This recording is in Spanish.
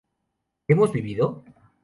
¿hemos vivido?